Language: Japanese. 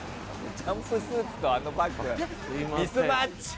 ジャンプスーツとあのバッグミスマッチ！